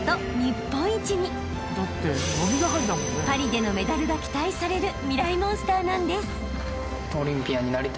［パリでのメダルが期待されるミライ☆モンスターなんです］